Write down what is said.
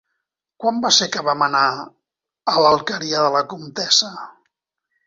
Quan va ser que vam anar a l'Alqueria de la Comtessa?